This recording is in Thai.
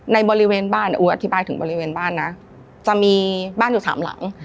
ในบริเวณบ้านอู๋อธิบายถึงบริเวณบ้านนะจะมีบ้านอยู่สามหลัง